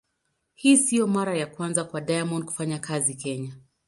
Hii sio mara ya kwanza kwa Diamond kufanya kazi Kenya.